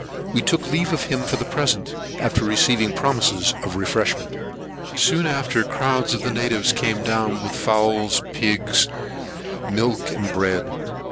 We took leave of him for the present, after receiving promises of refreshment. Soon after, crowds of the natives came down with fowls, pigs, milk, and bread. Mr.